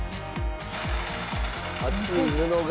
厚い布が。